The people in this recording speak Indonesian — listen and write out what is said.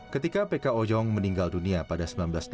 ketika pk ojong meninggal dunia pada seribu sembilan ratus delapan puluh